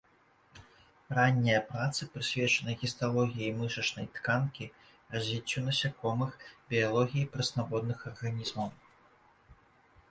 Раннія працы прысвечаны гісталогіі мышачнай тканкі, развіццю насякомых, біялогіі прэснаводных арганізмаў.